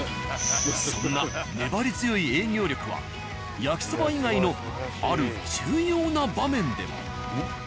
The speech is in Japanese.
そんな粘り強い営業力は焼きそば以外のある重要な場面でも。